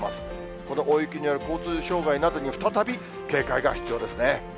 この大雪による交通障害などに、再び警戒が必要ですね。